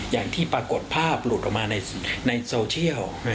อย่างที่ปรากฏภาพหลุดออกมาในโซเชียล